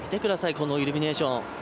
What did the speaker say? このイルミネーション。